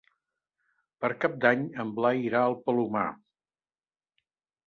Per Cap d'Any en Blai irà al Palomar.